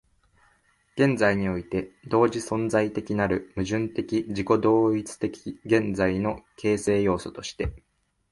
現在において同時存在的なる矛盾的自己同一的現在の形成要素として、